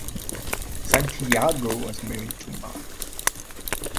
Santiago was married to Ma.